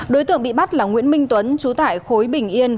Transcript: đối tượng bị bắt là nguyễn minh tuấn trú tải khối bệnh